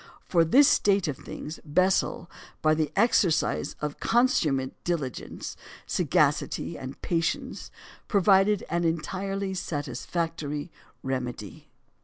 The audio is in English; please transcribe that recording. For this state of things, Bessel, by the exercise of consummate diligence, sagacity, and patience, provided an entirely satisfactory remedy.